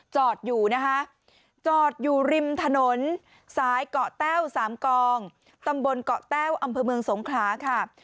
จอดอยู่นะคะจอดอยู่ริมถนนสายเกาะแต้วสามกองตำบลเกาะแต้วอำเภอเมืองสงขลาค่ะ